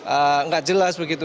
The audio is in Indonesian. eee nggak jelas begitu